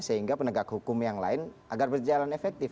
sehingga penegak hukum yang lain agar berjalan efektif